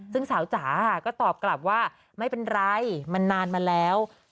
ซึ่งสาวจ๋าค่ะก็ตอบกลับว่าไม่เป็นไรมันนานมาแล้ว